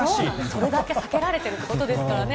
それだけ避けられているってことですからね。